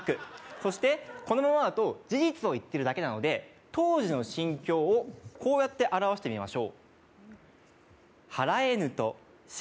そして、このままだと事実を言ってるだけなので当時の心境をこうやって表してみましょう。